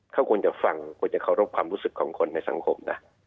เขาควรจะฟังควรจะเคารพความรู้สึกของคนในสังคมนะ